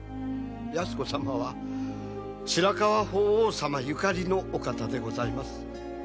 泰子様は白河法皇様ゆかりのお方でございます。